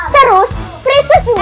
terus prinsip juga